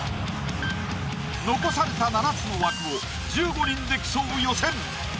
残された７つの枠を１５人で競う予選。